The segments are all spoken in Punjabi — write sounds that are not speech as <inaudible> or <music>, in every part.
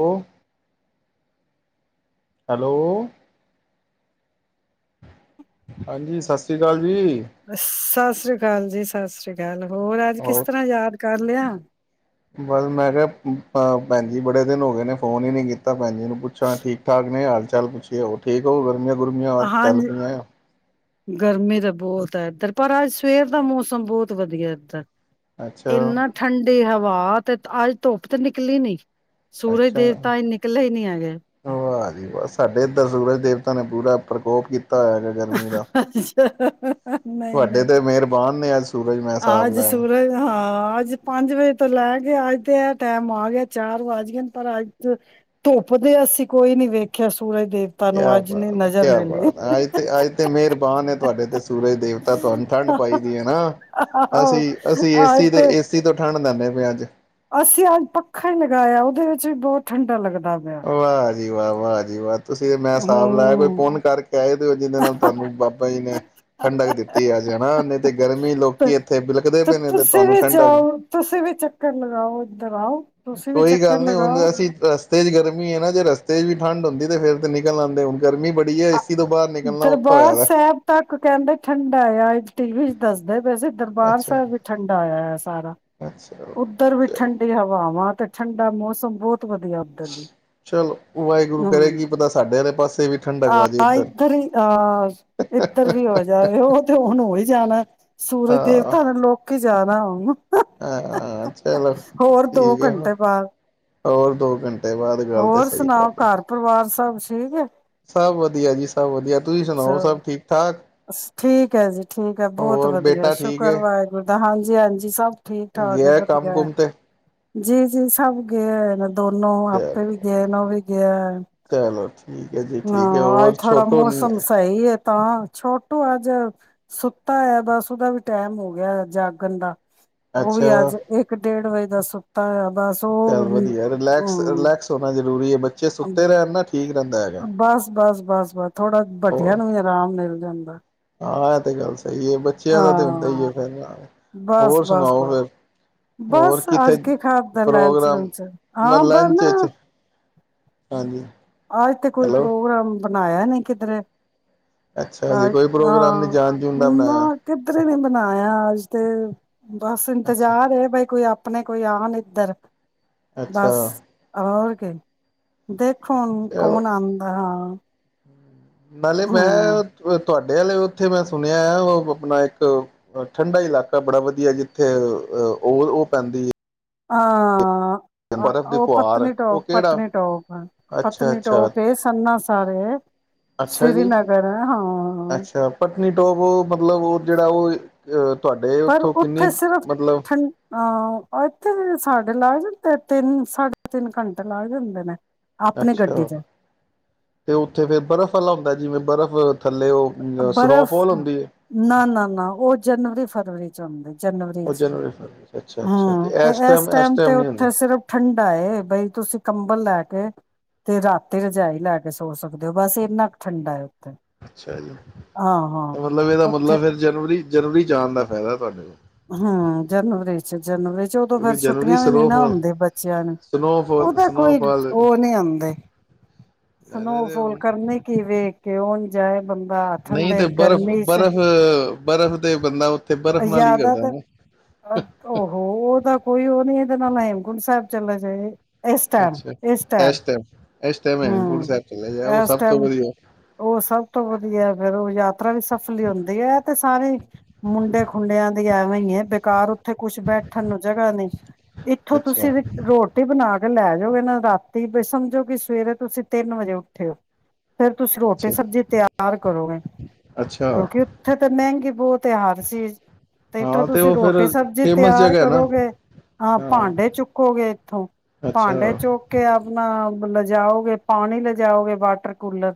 ਹੋ, ਹੈਲੋ, ਹਾਂਜੀ ਸਤਿ ਸ੍ਰੀ ਅਕਾਲ, ਜੀ ਅੱਛਾ, ਸਤਿ ਸ਼੍ਰੀ ਅਕਾਲ ਜੀ ਸਤਿ ਸ੍ਰੀ ਅਕਾਲ, ਹੋਰ ਅੱਜ ਕਿਸ ਤਰ੍ਹਾਂ ਯਾਦ ਕਰ ਲਿਆ। ਹਾਂ ਬਸ ਮੈਂ ਕਿਹਾ ਭੈਣਜੀ ਬੜੇ ਦਿਨ ਹੋ ਗਏ ਨੇ ਫੋਨ ਹੀ ਨਹੀਂ ਕੀਤਾ। ਭੈਣ ਜੀ ਨੂੰ ਪੁੱਛਾ ਠੀਕ ਠਾਕ ਨੇ ਅੱਜ, ਚੱਲ ਪੁੱਛੀਏ ਉਹ ਠੀਕ ਔ ਉਹ ਗਰਮੀਆਂ ਤ ਹਾਂਜੀ, ਗਰਮੀ ਬਹੁਤ ਹੈ ਇੱਧਰ, ਪਰ ਅੱਜ ਸਵੇਰ ਦਾ ਮੌਸਮ ਬਹੁਤ ਵਧੀਆ ਇੱਧਰ। ਅੱਛਾ ਇਨਾ ਠੰਡੀ ਹਵਾ ਤੇ ਅੱਜ ਧੁੱਪ ਤੇ ਨਿਕਲੀ ਨੀ। ਸੂਰਜ ਅੱਛਾ ਦੇਵਤਾ ਅੱਜ ਨਿਕਲੇ ਹੀ ਨੀ ਹੈਗੇ। ਵਾਹ ਸਾਡੇ ਇੱਧਰ ਸੂਰਜ ਦੇਵਤਾ ਨੇ ਪੂਰਾ ਪ੍ਰਕੋਪ ਕੀਤ ਕੀਤਾ ਹੈਗਾ ਗਰਮੀ ਦਾ, ਅੱਛਾ, ਤੁਹਾਡੇ ਨਹੀਂ-ਨਹੀਂ। ਤੇ ਮਿਹਰਬਾਨ ਨੇ ਏ ਸੂ ਅੱਜ ਸੂਰਜ, ਹਾਂ ਅੱਜ ਪੰਜ ਵਜੇ ਤੋਂ ਲੈ ਅੱਜ ਤੇ ਐ ਟੈਮ ਆ ਗਿਆ, ਚਾਰ ਵੱਜ ਗੇ ਨੇ ਪਰ ਅੱਜ ਧੁੱਪ ਦੇ ਅਸੀਂ ਕੋਈ ਨੀ ਵੇਖਿਆ ਸੁ ਕਿਆ ਬਾਤ ਐ ਕਿਆ ਬਾਤ ਐ ਅੱਜ ਤੇ ਅੱਜ ਤੇ ਮੇਹਰਬਾਨ ਏ ਤੁਹਾਡੇ ਤੇ ਸੂਰਜ ਦੇਵਤਾ ਤੁਹਾਨੂੰ ਠੰਢ ਪਾਈ ਦੀ ਹੈ ਨਾ। ਆਹੋ ਅਸੀਂ ਅਸੀਂ ਏਸੀ ਤੇ ਏਸੀ ਤੋਂ ਠੰਢ ਲੈਂਦੇ, ਵੀ ਅੱਜ ਅਸੀਂ ਅੱਜ ਪੱਖਾ ਹੀ ਲਗਾਇਆ ਉਹਦੇ ਵਿੱਚ ਵੀ ਬਹੁਤ ਠੰਡਾ ਲੱਗਦ ਵਾਹ ਜੀ ਵਾਹ-ਵਾਹ ਜੀ ਵਾ। ਤੁਸੀਂ ਤੇ ਮੈਂ ਸਾਬ ਲਾਇਆ ਕੋਈ ਹੂੰ ਪੁਨ ਕਰਕੇ ਆਏ ਦੇ ਔ ਜਿਹਦੇ ਨਾਲ ਤੁਹਾਨੂੰ ਬਾਬਾ ਜੀ ਨੇ ਠੰਡਕ ਦਿੱਤੀ ਅੱਜ ਹੈਨਾ, ਤੇ ਗਰਮੀ ਲੋਕੀ ਤੇ ਇੱਥੇ ਬਿਲਕਦੇ ਪਏ ਨੇ ਤੇ ਤੁਸੀਂ ਤੁਹਾਨੂੰ ਵੀ ਠੰਡਕ ਜਾਓ ਤੁਸੀਂ ਵੀ ਚੱਕਰ ਲਗਾਓ ਇੱਧਰ ਆਓ ਤੁਸੀਂ ਵੀ ਕੋਈ ਚੱਕਰ ਗੱਲ ਨਹੀਂ ਹੁਣ ਲਗਾਓ ਅਸੀਂ ਰਸ ਤੇਜ ਗਰਮੀ ਏ ਨਾ ਜੇ ਰਸਤੇ ਚ ਵੀ ਠੰਡ ਹੁੰਦੀ ਤੇ ਫੇਰ ਤੇ ਨਿਕਲ ਆਦੇ ਹੁਣ, ਗਰਮੀ ਬੜੀ ਹੈ ਏਸੀ ਤੋਂ ਬਾਹਰ ਨਿਕਲਣਾ ਔਖਾ ਹੋਇਆ ਦਰਬਾਰ ਦਾ ਸਾਹਿਬ ਤੱਕ ਕਹਿੰਦੇ ਠੰਡਾ ਏ ਅਜ। ਟੀ ਵੀ ਚ ਦੱਸਦੇ ਪ ਪਏ ਸੀ ਦਰਬਾਰ ਅੱਛਾ ਸਾਹਿਬ ਵੀ ਠੰਡਾ ਹੋਇਆ ਹੋਇਆ। ਸਾਰਾ, ਅੱਛਾ ਉੱਧਰ ਵੀ ਚਲੋ ਠੰਡੀ ਹਵਾ ਵਾਂ ਤੇ ਠੰਡਾ ਮੌਸਮ ਬੋਤ ਵਧੀਆ ਉਧਰ ਵੀ ਚਲੋ ਵਾਹਿਗੁਰੂ ਕਰੇ ਕੀ ਹੂੰ, ਪਤਾ ਸਾਡੇ ਵਾਲੇ ਪਾਸੇ ਵੀ ਠੰਡਕ ਜੇ ਆ ਇੱਧਰ ਹੀ ਆ ਇੱਧਰ ਵੀ ਹੋ ਜਾਵੇ ਔ ਤੇ ਹੋਣ ਹੋਈ ਜਾਣਾ। ਸੂਰਜ ਹਾਂ ਦੇਵਤਾ ਨੇ ਲੋਕੀ ਜਾ ਣੈ ਹੁਣ, ਹਾਂ, ਚਲੋ ਹੋਰ ਦੋ ਠੀਕੇ ਹੋ ਘੰਟੇ ਬਾਅਦ ਹੋਰ ਦੋ ਘੰਟੇ ਬਾਅਦ ਗੱਲ ਤੇ ਹੋਰ ਸਹੀ ਸੁਣਾਓ ਤੁਹਾਡੀ ਘਰ ਪਰਿਵਾਰ ਸਭ ਠੀਕ ਹੈ ਸਭ ਵਧੀਆ ਜੀ, ਸਭ ਵਧੀਆ ਤੁਸੀਂ ਸੁਣਾਓ ਚਲੋ ਸਭ ਠੀਕ ਠਾਕ? ਠੀਕ ਹੈ ਜੀ, ਠੀਕ ਹੈ ਬਹੁਤ ਹੋਰ ਵਧੀਆ, ਬੇਟਾ ਠੀਕ ਸ਼ੁਕਰ ਹੈ ਵਾਹਿਗੁਰੂ ਦਾ ਹਾਂਜੀ-ਹਾਂਜੀ, ਜੀ ਸਭ ਠੀਕ ਠਾਕ ਹੈ ਗਿਆ ਕੰਮ ਵਧੀਆ ਹੈ ਕੁਮ ਤੇ? ਜੀ ਜੀ ਸਭ ਗਏ ਹੋਏ ਨੇ। ਦੋਨੋ ਆਪੇ ਚਲੋ ਵੀ ਗਏ ਨਾ ਉਵੀ ਗਿਆ, ਚਲੋ ਠੀਕ ਹੈ ਜੀ ਠੀਕ ਹੈ ਹਾਂ ਹੋਰ ਅੱਜ ਥੋੜਾ ਛੋਟੋ ਮੌਸਮ ਸਹੀ ਹੈ ਤਾਂ ਛੋਟੁ ਅੱਜ ਸੁੱਤਾ ਹੈ ਬਸ ਉਹਦਾ ਵੀ ਟੈਮ ਹੋ ਗਿਆ ਜਾਗਣ ਦਾ ਉਹ ਅੱਛਾ ਵੀ ਅੱਜ ਇੱਕ ਡੇਢ ਵਜੇ ਦਾ ਸੁਤ ਤਾਂ ਏ ਚੱਲ ਵਧੀਆ, ਰਿਲੈਕਸ-ਰਿਲੈਕਸ ਹੋਣਾ ਜਰ ਜਰੂਰੀ ਹੈ। ਬੱਚੇ ਸੁੱਤੇ ਰਹਿਣ ਨਾ ਠੀਕ ਜਾਂਦਾ ਹੈਗਾ। ਬਸ-ਬਸ-ਬਸ, ਥੋੜਾ ਵੱਡਿਆਂ ਹੋਰ ਨੂੰ ਵੀ ਆਰਾਮ ਮਿਲ ਜਾਦਾ, ਹਾਂ ਇਹ ਤੇ ਗੱਲ ਸਹੀ ਹੈ, ਬੱਚਿਆਂ ਦਾ ਤੇ ਹੁੰਦਾ ਹੀ ਹੈ ਹਾਂ ਫਿਰ, ਬਸ ਹੋਰ ਬਸ ਸੁਣਾਓ ਬਸ ਫਿਰ ਹੋਰ ਬਸ ਕਿੱਥੇ ਅੱਜ ਕੇ ਖਾਦਾ ਲੰਚ ਪ੍ਰੋਗਰਾਮ ਲੁਚ ਮ ਹਾਂ ਬਸ ਲੰਚ ਨਾ ਚ ਹਾਂਜੀ ਅੱਜ ਤੇ ਕੋਈ ਹੈਲੋ ਪ੍ਰੋਗਰਾਮ ਬਣਾਇਆ ਨਹੀਂ ਕਿਧਰੇ ਅੱਛਾ, ਜੇ ਅੱਜ ਕੋਈ ਪ੍ਰੋਗਰਾਮ ਨੀ ਹਾਂ ਜਾਣ-ਜੂਣ ਦਾ ਨਾ ਬਣਾਇਆ। ਕਿੱਧਰੇ ਨੀ ਬਣਾਇਆ ਅੱਜ ਤੇ ਬਸ ਅੱਛਾ ਇੰਤਜ਼ਾਰ ਕੋਈ ਆਪਣੇ ਕੋਈ ਆਉਣ ਇੱਧਰ ਅੱਛਾ ਬਸ ਹੋਰ ਫੇਰ ਦੇਖ। ਚਲੋ ਕੌਣ-ਕੌਣ ਆਦਾ ਹਾਂ, ਨਾਲੇ ਹਮ ਮੈਂ, ਤੁਹਾ ਨਾਲੇ ਉਥੇ ਮੈਂ ਸੁਣਿਆ ਹੈ ਉਹ ਆਪਣਾ ਇੱਕ ਠੰਢਾ ਇਲਾਕਾ ਬੜਾ ਵਧੀਆ ਜਿੱਥੇ ਉਹ-ਉਹ ਪੈਂਦੀ ਹਾਂ, ਹੈ ਆ ਬਰਫ਼ ਦੀ ਉਹ ਫੁਹਾਰ ਉਹ ਕਿਹੜਾ ਪਤਨੀਟੋਪ-ਪਤਨੀਟੋਪ, ਅੱਛਾ ਅੱਛਾ ਪਤਨੀਟੋਪ, ਸਨਾਸਾਰੇ ਅੱਛਾ ਜੀ ਸ੍ਰੀਨਗਰ ਹਾਂ ਅੱਛਾ ਪਤਨੀਟੋਪ ਮਤਲਬ ਉਹ ਜਿਹੜਾ ਉਹ ਅ ਤੁਹਾਡੇ ਪਰ ਉੱਥੋਂ ਕਿੰਨੀ ਉੱਥੇ ਸਿਰਫ, ਮਤਲਬ ਠ ਆ ਇੱਥੇ ਸਾਡੇ ਲਾ ਤੇ ਤਿੰਨ ਸਾਢੇ ਤਿੰਨ ਘੰਟੇ ਲੱਗ ਜਾਂਦੇ ਨੇ ਆਪਣੀ ਗੱਡੀ ਅੱਛਾ, ਚ ਤੇ ਉੱਥੇ ਫੇਰ ਬਰਫ਼ ਵਾਲਾ ਹੁੰਦਾ ਜਿਵੇਂ ਬਰਫ਼ <inaudible> ਉਹ ਬਰਫ਼, ਸਨੋਫੋਲ ਹੁੰਦੀ ਹੈ ਨਾ-ਨਾ-ਨਾ ਉਹ ਜਨਵਰੀ-ਫਰਵਰੀ ਚ ਆਦੀ ਜਨਵਰੀ ਚ ਹੂੰ ਤੇ ਇਸ ਟਾਈਮ ਤੇ ਉੱਥੇ ਸਿਰਫ ਠੰਡਾ ਬਈ ਤੁਸੀਂ ਕੰਬਲ ਲੈ ਕੇ ਤੇ ਰਾਤੀ ਰਜਾਈ ਲੈ ਕੇ ਸੋ ਸਕਦੇ ਹੋ ਬਸ ਇੰਨਾ ਕੁ ਠੰਡਾ ਹੈ ਉੱਥੇ, ਅੱਛਾ ਜੀ, ਹਾਂ-ਹਾਂ ਮਤਲਬ ਇਹਦਾ ਉੱਥੇ ਮਤਲਬ ਫਿਰ ਜਨਵਰੀ ਜਨਵਰੀ ਜਾਣ ਦਾ ਫਾਇਦਾ ਤੁਹਾਡੇ ਕੋ ਹਮ ਜਨਵਰੀ ਚ ਜਨਵਰੀ ਚ ਉਦੋਂ ਕਿਉਂਕਿ ਫੇਰ ਜਨਵਰੀ ਛੁੱਟੀਆਂ ਵੀ ਨੀ ਨਾ ਸਨੋਫਾਲ ਹੁੰਦੇ ਬੱਚਿਆਂ ਨੂੰ ਉਹ ਸਨੋਫਾਲ ਤਾਂ ਕੋਈ ਸਨੋਫਾਲ ਉਹ ਨੀ ਆਉਂਦੇ ਸਨੋਫੋਲ ਕਰਨੇ ਕੀ ਵੇਖ ਕੇ ਉਹ ਜਨਵਰੀ ਨਹੀਂ ਤੇ ਬਰਫ਼ ਬਰਫ਼ ਬਰਫ਼ ਦੇ ਬੰਦਾ ਉੱਥੇ ਬਰਫ਼ ਨਾਲ ਹੀ ਨਾ ਉਹ ਉਹ ਤਾਂ ਕੋਈ ਹੋਰ ਨੀ ਇਹਦੇ ਨਾਲ ਗੁਰੂ ਸਾਹਿਬ ਚੱਲਲਾ ਜਾਏ ਅੱਛਾ ਐਸ਼ ਤੇ ਹਮ ਇਸ ਤੋਂ ਟਾਈਮ ਵਧੀਆ ਉਹ ਸਭ ਤੋਂ ਵਧੀਆ ਫੇਰ ਉਹ ਯਾਤਰਾ ਵੀ ਸਫਲੀ ਹੁੰਦੀ ਹੈ, ਤੇ ਸਾਰੇ ਮੁੰਡੇ ਖੁੰਡਿਆਂ ਦੀ ਐਵੇਂ ਹੈ, ਬੇਕਾਰ ਉੱਥੇ ਕੁਛ ਬੈਠਣ ਨੂੰ ਜਗ੍ਹਾ ਨਹੀਂ ਇੱਥੋਂ ਤੁਸੀਂ ਅੱਛਾ, ਰੋਟੀ ਬਣਾ ਲੈ ਜਾਓਗੇ ਇਹ ਨਾ ਰਾਤੀ ਸਮਝੋ ਕਿ ਸਵੇਰੇ ਤੁਸੀਂ ਤਿੰਨ ਵਜੇ ਉੱਠੇ ਹੋ ਫੇਰ ਤੁਸੀਂ ਰੋਟੀ ਅੱਛਾ, ਸਬਜ਼ੀ ਤਿਆਰ ਕਰੋਗੇ, ਅੱਛਾ ਕਿਉਂਕਿ ਉੱਥੇ ਤਾਂ ਮਹਿੰਗੀ ਬਹੁਤ ਹੈ। ਹਰ ਚਜ਼ ਤੇ ਇੱਥੋਂ ਹਾਂ ਤੁਸੀਂ ਉਹ ਫਿਰ ਰੋਟੀ ਸਬਜ਼ੀ ਫੇਮਸ ਤਿਆਰ ਜਗ੍ਹਾ ਹੈ ਨਾ ਕਰੋਗੇ, ਹਾਂ ਭਾਂਡੇ ਚੁੱਕੋਗੇ ਇੱਥੋਂ ਅੱਛਾ ਭਾਂਡੇ ਚੁੱਕ ਕੇ ਆਪਣਾ ਮਤਲਬ ਜਾਓਗੇ, ਪਾਣੀ ਲਿਜਾਓਗੇ, ਵਾਟਰ ਕੂਲਰ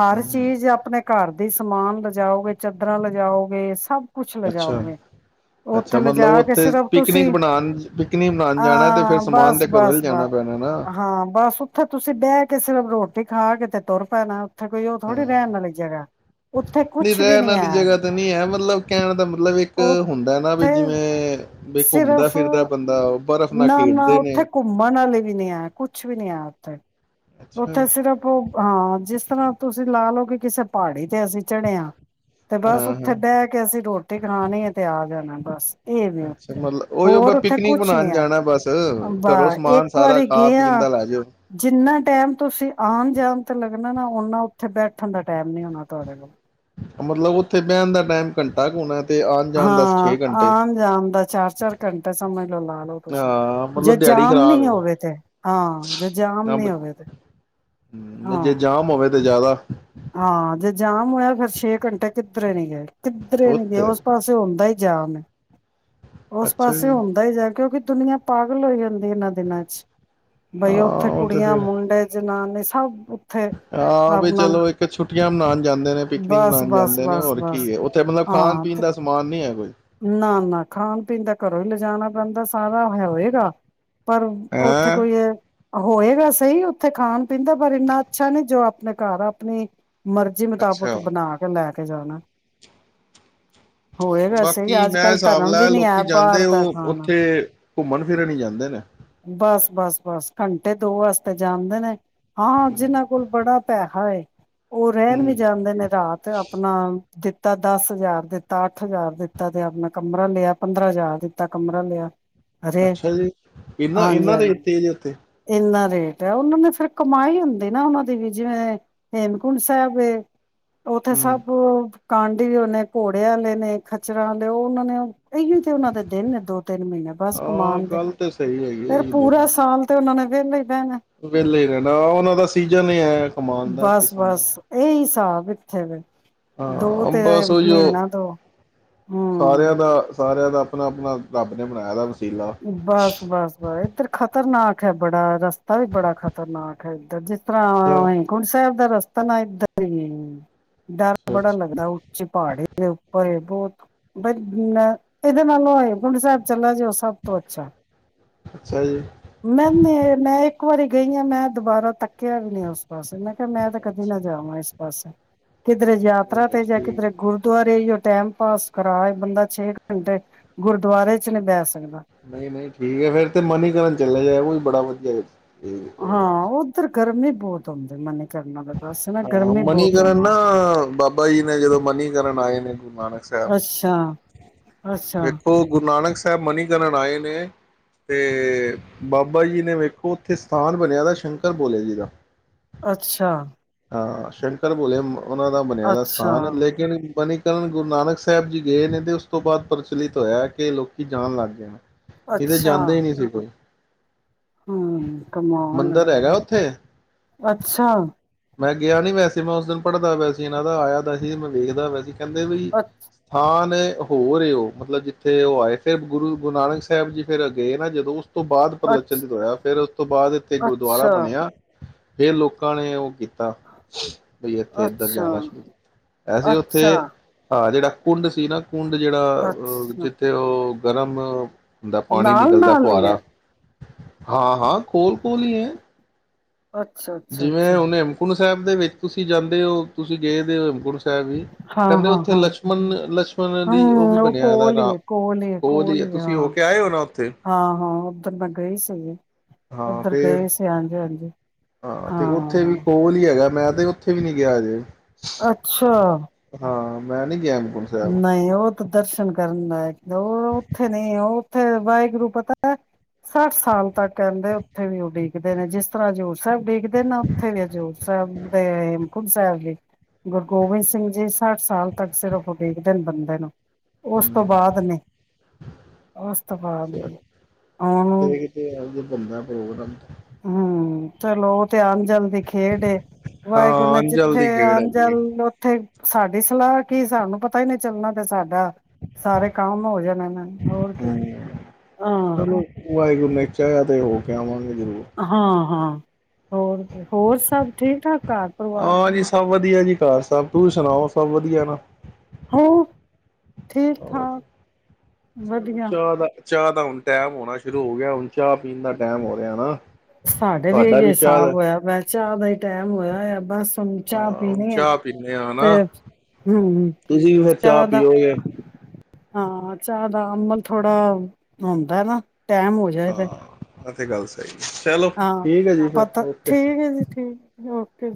ਹਰ ਹੂੰ, ਚੀਜ਼ ਆਪਣੇ ਘਰ ਦੇ ਸਮਾਨ ਲਿਜਾਓਗੇ, ਚਾਦਰਾਂ ਲਿਜਾਓਗੇ, ਸਭ ਕੁਛ ਅੱਛਾ, ਲਿਜਾਓਗੇ ਅੱਛਾ ਉੱਥੇ ਲਿਜਾ ਮਤਲਬ ਕੇ ਉੱਥੇ ਸਿਰਫ ਪਿਕਨਿਕ ਤੁਸੀਂ ਬਣਾਉਣ ਪਿਕਨਿਕ ਬਣਾਉਣ ਜਾਣਾ ਤੇ ਫਿਰ ਅਹ ਸਮਾਨ ਬਸ ਤੇ ਘਰੋਂ ਹੀ ਬਸ ਬਸ ਜਾਣਾ ਪੈਣਾ ਨਾ ਹਾਂ ਬਸ ਉੱਥੇ ਤੁਸੀਂ ਬਹਿ ਕੇ ਸਿਰਫ ਰੋਟੀ ਖਾ ਕੇ ਤੇ ਤੁਰ ਪੈਣਾ ਉੱਥੇ ਕੋਈ ਉਹ ਥੋੜੀ ਹਾਂ, ਰਹਿਣ ਵਾਲੀ ਜਗ੍ਹਾ ਉੱਥੇ ਨਹੀਂ ਕੁਛ ਵੀ ਰਹਿਣ ਨੀ ਵਾਲੀ ਜਗ੍ਹਾ ਤੇ ਨਹੀਂ ਹੈ ਮਤਲਬ ਕਹਿਣ ਦਾ ਮਤਲਬ ਇੱਕ ਹੁੰਦਾ ਨਾ ਉਥੇ ਵੀ ਜਿਵੇਂ ਵੀ ਘੁੰਮਦਾ ਸਿਰਫ਼ ਫਿਰਦਾ ਬੰਦਾ ਉਹ ਬਰਫ਼ ਨਾਲ ਨਾ, ਨਾ ਖੇਡਦੇ ਨੇ ਉੱਥੇ ਘੁੰਮਣ ਵਾਲੀ ਵੀ ਨਹੀਂ ਆ ਕੁਛ ਵੀ ਨੀ ਹੈ। <inaudible> ਅੱਛਾ, ਉੱਥੇ ਸਿਰਫ ਉਹ ਹਾਂ ਜਿਸ ਤਰ੍ਹਾਂ ਤੁਸੀਂ ਲਾ ਲਓ ਕਿ ਕਿਸੇ ਪਹਾੜੀ ਤੇ ਅਸੀਂ ਚੜੇ ਹ ਤੇ ਬਸ ਹਾਂ, ਹਾਂ। ਉੱਥੇ ਬਹਿ ਕੇ ਅਸੀਂ ਰੋਟੀ ਖਾਣੀ ਹੈ ਤੇ ਆ ਜਾਣਾ ਬਸ ਇਹ ਵੀ ਅੱਛਾ ਉੱਥੇ ਮਤਲਬ ਉਹੀ ਹੋਰ ਉੱਥੇ ਪਿਕਨਿਕ ਕੁਛ ਨੀ ਮਨਾਉਣ ਹੈ ਜਾਣਾ ਬਸ ਬ ਘਰੋ ਸਮਾਨ ਇੱਕ ਸਾਰਾ ਖਾ ਪੀਣ ਦਾ ਲੈ ਜਾਓ ਨਾ ਟਾਈਮ ਤੁਸੀਂ ਆਉਣ ਜਾਣ ਤੇ ਲੱਗਣਾ ਨਾ ਓਨਾ ਉੱਥੇ ਬੈਠਣ ਦਾ ਟਾਈਮ ਨੀ ਹੋਣਾ ਤੁਹਾਡੇ ਕੋਲ ਮਤਲਬ ਉੱਥੇ ਬੇਏਂ ਦਾ ਟਾਈਮ ਘੰਟਾ ਕੁ ਹੋਣਾ ਤੇ ਆਉਣ ਜਾਣ ਦਾ ਹਾਂ, ਛੇ ਘੰਟੇ ਆਮ ਜਾਣ ਦਾ ਚਾਰ ਚਾਰ ਘੰਟਾ ਸਮਝ ਲੋ ਲਾ ਲਓ, ਤੁਸੀਂ ਹਾਂ ਜੇ ਮਤਲਬ ਦਿਹਾੜੀ ਜਾਮ ਖ਼ਰਾਬ ਨੀ ਹੈ ਹੋਵੇ ਤੇ ਹਾਂ ਜੇ ਜਾਮ ਨੀ ਹੋਵੇ ਤੇ ਹਾਂ। ਜੇ ਜਾਮ ਹੋਵੇ ਤੇ ਜ਼ਿਆਦਾ ਹਾਂ ਜੇ ਜਾਮ ਹੋਇਆ ਫਰ ਛੇ ਘੰਟੇ ਕਿੱਧਰੇ ਨੀ ਗਏ। ਕਿੱਧਰੇ ਨੀ ਗਏ, ਉੱਥੇ ਉਸ ਪਾਸੇ ਹੁੰਦਾ ਜਾਮ, ਉਸ ਅੱਛਾ ਪਾਸੇ ਜੀ ਹੁੰਦਾ ਹੀ ਜਾ ਕਿਉਂਕਿ, ਦੁਨੀਆਂ ਪਾਗਲ ਹੋਈ ਜਾਂ ਇਹਨਾਂ ਦਿਨਾਂ ਚ ਹਾਂ ਬਈ ਉੱਥੇ ਉਹ ਤੇ ਕੁੜੀਆਂ ਫਿਰ ਮੁੰਡੇ ਜਨਾਨੀ, ਹਾਊ, ਹਾਂ ਵੀ ਚਲੋ ਇੱ ਕੇ ਛੁੱਟੀਆਂ ਮਨਾਣ, ਜਾਂਦੇ ਨੇ ਪਿਕਨਿਕ ਬਸ ਮਨਾਣ ਬਸ ਜਾਂਦੇ ਨੇ ਬਸ ਹੋਰ ਬਸ ਕੀ ਹੈ ਉੱਥੇ ਮਤਲਬ ਖਾਣ ਪੀਣ ਦਾ ਸਮਾਨ ਨੀ ਹੈ ਕੋਈ, ਨਾ-ਨਾ ਖਾਣ ਪੀਣ ਤਾਂ ਘਰੋਂ ਹੀ ਲਿਜਾਣਾ ਪੈਂਦਾ ਸਾਰਾ ਹੋਏਗਾ। ਪਰ ਉੱਥੇ ਹੈਂ ਕੋਈ ਹੈ, ਹੋਏਗਾ ਸਹੀ ਉੱਥੇ ਖਾਣ ਪੀਣ ਦਾ ਪਰ ਇੰਨਾ ਅੱਛਾ ਨਹੀਂ ਜੋ ਆਪਣੇ ਘਰ ਆਪਣੀ, ਮਰਜ਼ੀ ਮੁਤਾਬਕ ਅੱਛਾ ਬਣਾ ਕੇ ਲੈ ਕੇ ਉੱਥੇ ਜਾਣਾ, ਹੋਏਗਾ ਸ ਕੀ ਮੈਂ ਹਿਸਾਬ ਲਾਇਆ ਲੋਕੀ ਜਾਂਦੇ ਉਹ ਖਾਣਾ ਉੱਥੇ, ਘੁੰਮਣ ਫਿਰਨ ਹੀ ਜਾਂਦੇ ਨੇ, ਬਸ-ਬਸ-ਬਸ ਘੰਟੇ ਦੋ ਵਾਸਤੇ ਜਾਂਦੇ ਨੇ, ਹਾਂ ਜਿਹਨਾਂ ਕੋਲ ਬੜਾ ਪੈਹਾ ਏ। ਉਹ ਰਹਿਣ ਹੂੰ, ਵੀ ਜਾਂਦੇ ਨੇ ਰਾਤ ਆਪਣਾ, ਦਿੱਤਾ ਦਸ ਹਜ਼ਾਰ ਦਿੱਤਾ ਅੱਠ ਹਜ਼ਾਰ ਦਿੱਤਾ ਤੇ ਆਪਣਾ ਕਮਰਾ ਲਿਆ ਪੰਦਰਾਂ ਹਜ਼ਾਰ ਦਿੱਤਾ ਕਮਰਾ ਲਿਆ। ਅਰੇ ਅੱਛਾ ਜੀ, ਇਨਾਂ ਇਨ੍ਹਾਂ ਰੇਟ ਹਾਂਜੀ-ਹਾਂਜੀ ਤੇਜ ਹੈ ਇਥੇ, ਇੰਨਾ ਰੇਟ ਹੈ ਉਹਨਾਂ ਨੇ ਫਿਰ ਕਮਾਈ ਹੁੰਦੀ ਨਾ ਉਹਨਾਂ ਦੀ ਵੀ ਜਿਵੇਂ ਹੇਮਕੁੰਡ ਸਾਹਿਬ ਏ, ਉੱਥੇ ਹੂੰ, ਸਭ, ਕਾਂਡੀ ਵਾਲੇ ਘੋੜੇ ਵਾਲੇ ਨੇ ਖਚਰਾਂ ਆਲੇ ਉਹ ਉਹਨਾਂ ਨੇ ਇਹੀ ਤੇ ਉਹਨਾਂ ਦੇ ਦਿਨ ਨੇ ਦੋ, ਤਿੰਨ ਮਹੀਨੇ ਬਸ ਹਾਂ ਕਮਾਣ ਦੇ, ਗੱਲ ਤੇ ਸਹੀ ਹੈਗੀ ਹੈ ਫਿਰ ਇਹੀ ਪੂਰਾ ਦਿਨ, ਸਾਲ ਤੇ ਉਹਨਾਂ ਨੇ ਵੇਹਲੇ, ਵਿਹਲਾ ਹੀ ਰਹਿਣਾ ਉਹਨਾਂ ਦਾ ਸੀਜਨ ਇਹ ਹੈ ਕਮਾਉਣ ਦਾ ਕਿਸਮ ਦਾ, ਸਭ ਇੱਥੇ ਵੇ, ਦੋ ਹਾਂ ਅ ਤੇ ਬਸ ਉਹੀਓ ਮਹੀਨਾ ਦੋ ਹੂੰ ਸਾਰਿਆਂ ਦਾ ਸਾਰਿਆਂ ਦਾ, ਆਪਣਾ-ਆਪਣਾ ਰੱਬ ਨੇ ਬਣਾਇਆ ਸਬ ਕੁਝ, ਬਸ ਬਸ ਬਸ ਇੱਧਰ ਖ਼ਤਰਨਾਕ ਹੈ ਬੜਾ ਰਸਤਾ ਵੀ ਬੜਾ ਖ਼ਤਰਨਾਕ ਹੈ, ਇੱਧਰ ਜ ਅੱਛਾ ਭਰਾਵਾ ਹੇਮਕੁੰਟ ਸਾਹਿਬ ਤਾਂ ਰਸਤਾ ਨਾ ਇੱਧਰ ਈ ਏ, ਡਰ ਅੱਛਾ ਬੜਾ ਅੱਛਾ ਲੱਗਦਾ, ਉੱਚੇ ਪਹਾੜੀ ਦੇ ਉੱਪਰ ਏ ਬਹੁਤ ਬ ਇਹਦੇ ਨਾਲੋਂ ਹੇਮਕੁੰਟ ਸਾਹਿਬ ਚਲਾ ਜੋ ਉਹ ਸਭ ਅੱਛਾ, ਅੱਛਾ ਜੀ ਮੈ ਮੈਂ ਇੱਕ ਵਾਰੀ ਗਈ ਹਾਂ, ਮੈਂ ਦੁਬਾਰਾ ਤੱਕ ਕਿਹਾ ਵੀ ਨਹੀਂ, ਉਸ ਪਾਸੇ ਮੈਂ ਕਿਹਾ ਮੈਂ ਤਾਂ ਕਦੇ ਅੱਛਾ ਨਾ ਜਾਵਾਂ ਇਸ ਪਾਸੇ ਕਿਧਰੇ ਨਹੀਂ ਯਾਤਰਾ ਨਹੀਂ ਤੇ, ਜਾਂ ਠੀਕ ਹੈ, ਕਿਧਰੇ ਗੁਰਦੁਆਰੇ, ਉਹੀ ਟਾਈਮ ਪਾਸ ਕਰਾ ਬੰਦਾ ਛੇ ਘੰਟੇ ਗੁਰਦੁਆਰੇ ਚ ਨਹੀਂ ਬਹਿ ਸਕਦਾ ਨਹੀਂ ਨਹੀਂ ਠੀਕ ਹੈ, ਫਿਰ ਤੇ ਮਨੀਕਰਨ ਚੱਲਿਆ ਜਾਵੇ ਉਹ ਵੀ ਬੜਾ ਵਧੀਆ ਏਹ ਉਹ ਹੈ। ਹਾਂ ਉੱਧਰ ਗਰਮੀ ਹੀ ਬਹੁਤ ਹੁੰਦੀ ਮਨੀ ਹਾਂ, ਮਨੀਕਰਨ ਨਾ ਹੈ। ਬਾਬਾ ਜੀ ਨੇ ਜਦੋਂ ਮਨੀਕਰਨ ਆਏ ਨੇ ਗੁਰੂ ਨਾਨਕ ਸਾਹਿਬ ਅੱਛਾ, ਅੱਛਾ, ਵੇਖੋ ਗੁਰੂ ਨਾਨਕ ਸਾਹਿਬ ਮਨੀਕਰਨ ਆਏ ਨੇ ਤੇ, ਬਾਬਾ ਜੀ ਨੇ ਵੇਖੋ ਉੱਥੇ ਸਥਾਨ ਬਣਿਆ ਤਾ ਸ਼ੰਕਰ ਭੋਲੇ ਜੀ ਦਾ ਅੱਛਾ ਹਾਂ ਸ਼ੰਕਰ ਭੋਲੇ ਉਹਨਾਂ ਦਾ ਬਣਿਆ ਦਾ ਅੱਛਾ, ਸਥਾਨ ਏ, ਲੇਕਿਨ ਮਨੀ ਕਰਨ ਗੁਰੂ ਨਾਨਕ ਸਾਹਿਬ ਜੀ ਗਏ ਨੇ ਤੇ ਉਸ ਤੋਂ ਬਾਅਦ ਪ੍ਰਚਲਿਤ ਹੋਇਆ, ਕਿ ਲੋਕੀ ਜਾਣ ਲੱਗ ਗਏ ਨੇ ਇਹਦੇ ਜਾਂਦਾ ਹੀ ਨਹੀਂ ਸੀ ਕੋਈ ਹੂੰ ਕਮਾਲ ਏ, ਮੰਦਿਰ ਹੈਗਾ ਉੱਥੇ ਅੱਛਾ ਮੈਂ ਗਿਆ ਨੀ ਵੈਸੇ ਮੈਂ ਉਸ ਦਿਨ ਪੜ੍ਹਦਾ ਪਿਆ ਸੀ, ਇਹਨਾਂ ਦਾ ਆਇਆ ਤਾਂ ਸੀ ਮੈ ਵੇਖਦਾ ਪਿਆ ਸੀ ਕਹਿੰਦੇ ਵੀ ਅ ਸਥਾਨ ਹੋਰ ਏ ਉਹ ਮਤਲਬ ਜਿੱਥੇ ਉਹ ਆਏ ਫਿਰ ਗੁਰੂ ਗੁਰੂ ਨਾਨਕ ਸਾਹਿਬ ਜੀ ਫੇਰ ਗਏ ਨਾ ਜਦੋਂ ਉਸ ਤੋਂ ਬਾਅਦ ਅੱਛਾ, ਪ੍ਰਲਚਲਿਤ ਤ ਹੋਇਆ, ਫਿਰ ਉਸ ਤੋਂ ਬਾਅਦ ਇੱਥੇ ਗੁਰਦੁਆਰਾ ਅੱਛਾ, ਬਣਿਆ ਫੇਰ ਲੋਕਾਂ ਨੇ ਉਹ ਕੀਤਾ ਬਈ ਇੱਥੇ ਇੱਧਰ ਜਾਣਾ ਸ਼ੁਰੂ ਕੀਤਾ ਵੈਸੇ ਉੱਥੇ ਅੱਛਾ, ਹੈ ਜਿਹੜਾ ਕੁੰਡ ਸੀ ਨਾ ਕੁੰਡ ਜਿਹੜਾ ਅ ਅੱਛਾ ਜਿੱਥੇ ਉਹ ਗਰਮ ਹੁੰਦਾ ਪਾਣੀ ਨਾਲ ਨਿਕਲਦਾ ਨਾਲ ਹੀ ਹੈ ਫੁਹਾਰਾ ਹਾਂ ਹਾਂ ਕੋਲ ਕੋਲ ਹੀ ਹੈ। ਅੱਛਾ, ਅੱਛਾ, ਅੱਛਾ ਜਿਵੇਂ ਹੁਣ ਹਾਂ, ਹੇਮਕੁੰਟ ਸਾਹਿਬ ਦੇ ਵਿੱਚ ਤੁਸੀਂ ਜਾਂਦੇ ਹੋ ਤੁਸੀਂ ਗਏ ਵੇ ਹੋ ਹਿਮਕੁੰਟ ਸਾਹਿਬ ਵੀ ਕਹਿੰਦੇ ਹਾਂ, ਉੱਥੇ ਹਾਂ ਲਸ਼ਮਣ ਲਛਮਣ ਦੀ ਉਹ ਵੀ ਹਮ ਬਣਿਆ ਦਾ ਕੋਲ ਇਹਦਾ ਹੀ ਨਾਂ ਹੈ ਕੋਲ ਹੀ ਹੈ ਉਹ ਕੋਲ ਲਈ ਹੀ ਹੈ। ਤੁਸੀਂ ਹੋ ਹਾਂ, ਕੇ ਆਏ ਹੋ ਨਾ ਉੱਥੇ ਹਾਂ, ਹਾਂ ਉੱਧਰ ਮੈਂ ਗਈ ਸੀਗੀ ਹਾਂ ਉੱਧਰ ਫਰ ਗਏ ਸੀ ਹਾਂਜੀ, ਹਾਂਜੀ ਹਾਂ ਤੇ ਉੱਥੇ ਵੀ ਹਾਂ ਕੋਲ ਹੀ ਹੈਗਾ ਮੈਂ ਕਦੇ ਉੱਥੇ ਵੀ ਨੀ ਗਿਆ ਹਜੇ ਅੱਛਾ ਹਾਂ ਮੈਂ ਨੀ ਗਿਆ ਹੇਮਕੁੰਟ ਸਾਹਿਬ ਨਹੀਂ ਉਹ ਦਰਸ਼ਨ ਕਰਨ ਲ ਉਹ ਉੱਥੇ ਨਹੀਂ ਉਹ ਉੱਥੇ ਵਾਹਿਗੁਰੂ ਪਤਾ ਹੈ ਸੱਠ ਸਾਲ ਤੱਕ ਕਹਿੰਦੇ ਉੱਥੇ ਵੀ ਉਡੀ ਨੇ ਜਿਸ ਤਰ੍ਹਾਂ ਜੋ ਸਬ ਡਿਕਦੇ ਨਾ ਉੱਥੇ ਹਜ਼ੂਰ ਸਾਹਿਬ ਤੇ ਹੇਮਕੁੰਟ ਸਾਹਿਬ <unintelligible> ਗੁਰੂ ਗੋਬਿੰਦ ਸਿੰਘ ਜੀ ਸੱਠ ਸਾਲ ਤੱਕ ਸਿਰਫ ਦੇਖਦੇ ਨੇ ਬੰਦੇ ਨੂੰ ਉਸ ਤੋਂ ਹੂੰ ਬਾਅਦ ਨੇ ਉਸ ਤੋਂ ਬਾਅਦ ਚਲੋ ਨੇ ਆਨੂੰ <unintelligible> ਘੁੰਮਦਾ ਪ੍ਰੋਗਰਾਮ ਹਮ ਚਲੋ ਥੇ ਅਨ ਜਲ ਦੀ ਖੇਡ ਏ ਵਾਹਿਗੁਰੂ ਹਾਂ ਨੇ ਅੰਜਲ ਜਿੱਥੇ ਦੀ ਖੇਡ ਅਨ ਹੈਗੀ ਏ। ਜਲ ਉੱਥੇ ਸਾਡੀ ਸਲਾਹ ਕੀ ਸਾਨੂੰ ਪਤਾ ਹੀ ਨਹੀਂ ਚੱਲਣਾ ਤੇ ਸਾਡਾ ਸਾਰੇ ਕੰਮ ਹੋ ਜਾਣੇ ਨੇ ਹੋਰ ਕੀ ਹੂੰ ਹਾਂ ਚਲੋ ਵਾਹਿਗੁਰੂ ਨੇ ਚਾਹਿਆ ਤੇ ਹੋ ਕੇ ਆਵਾਂਗੇ ਜ਼ਰੂਰ ਹਾਂ ਹਾਂ ਹੋਰ ਕੀ ਹੋਰ ਸਭ ਠੀਕ ਠਾਕ ਘਰ ਪਰਿਵਾਰ ਹਾਂ ਜੀ ਸਭ ਵਧੀ ਵਧੀਆ ਜੀ ਘਰ ਸਬ ਤੂੰ ਸੁਣਾਓ ਸਭ ਵਧੀਆ ਨਾ ਹੋ ਠੀਕ ਠਾਕ ਚਲੋ ਵਧੀਆ ਚਾਹ ਦਾ ਚਾਹ ਦਾ ਹੁਣ ਟਾਈਮ ਹੋਣਾ ਸ਼ੁਰੂ ਹੋ ਗਿਆ ਹੁਣ ਚਾਹ ਪੀਣ ਦਾ ਟੈਮ ਹੋ ਰਿਹਾ ਹੈ ਨਾ ਸਾਡੇ ਵੀ ਤੁਹਾਡਾ ਚਾਹ ਹਿਸਾਬ ਦਾ ਹੋਇਆ ਮੈਂ ਚਾਹ ਦਾ ਹੀ ਟਾਈਮ ਹੋਇਆ ਹੋਯਾ। ਬਸ ਹੁਣ ਚਾਹ ਹਾਂ ਹੁਣ ਪੀਣੀ ਹੈ ਚਾਹ ਪੀਣੇ ਆ ਹੈ ਤੇ ਨਾ ਹਮ ਤੁਸੀਂ ਵੀ ਫਰ ਚਾਹ ਪੀਓਗੇ ਹਾਂ ਚਾਹ ਦਾ ਅਮਲ ਥੋੜਾ ਹੁੰਦੈ ਨਾ ਟਾਈਮ ਹੋ ਜਾਏਗਾ। ਅ ਤੇ ਗੱਲ ਸਹੀ ਚਲੋ ਠੀਕ ਹੈ ਜੀ ਫ ਪਤਾ ਓਕੇ ਠੀਕ ਹੈ ਜੀ ਠੀਕ ਓਕੇ।